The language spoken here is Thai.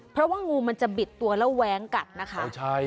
เพราะว่างูมันจะบิดตัวแล้วแว้งกัดนะคะ